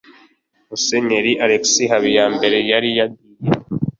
musenyeri alexis habiyambere yari yagiye